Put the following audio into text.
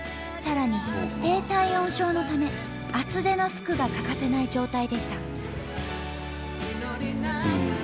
さらに低体温症のため厚手の服が欠かせない状態でした。